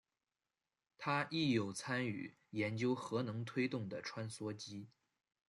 他亦有参与研究核能推动的穿梭机。